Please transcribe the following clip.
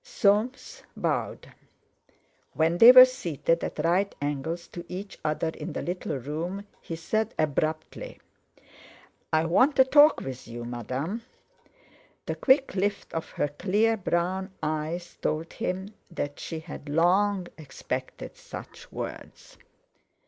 Soames bowed. When they were seated at right angles to each other in the little room, he said abruptly: "I want a talk with you, Madame." The quick lift of her clear brown eyes told him that she had long expected such words.